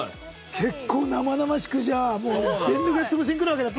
結構生々しくじゃあもう全力で潰しにくるわけだプロが。